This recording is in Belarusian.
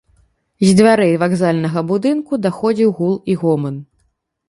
З дзвярэй вакзальнага будынку даходзіў гул і гоман.